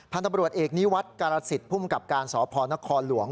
ท่านตำรวจเอกนี้วัดกรสิทธิ์ผู้มีกับการสอบพรณครหลวง